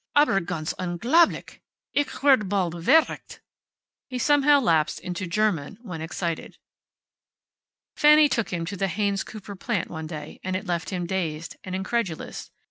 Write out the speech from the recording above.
Aber ganz unglaublich! Ich werde bald veruckt." He somehow lapsed into German when excited. Fanny took him to the Haynes Cooper plant one day, and it left him dazed, and incredulous.